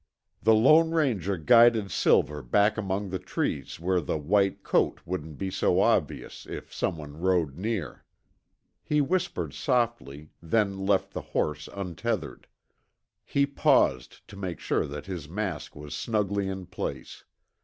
The Lone Ranger guided Silver back among the trees where the white coat wouldn't be so obvious if someone rode near. He whispered softly, then left the horse untethered. He paused to make sure that his mask was snugly in place.